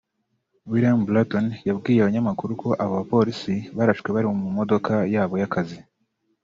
William Bratton yabwiye abanyamakuru ko abo bapolisi barashwe bari mu modoka yabo y’akazi